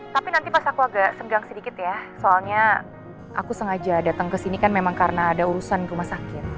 tapi nanti pas aku agak senggang sedikit ya soalnya aku sengaja datang ke sini kan memang karena ada urusan rumah sakit